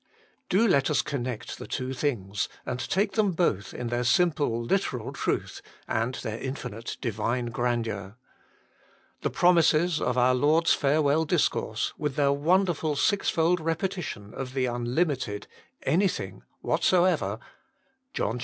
Do let us connect the two things, and take them both in their simple, literal truth, and their infinite, divine grandeur. The promises of our Lord s farewell discourse, with their wonderful six fold repetition of the unlimited, anything, what soever (John xiv.